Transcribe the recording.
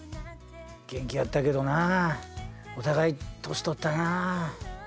元気やったけどなお互い年とったな。